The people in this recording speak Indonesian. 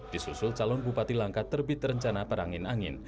disusul calon bupati langkat terbit rencana perangin angin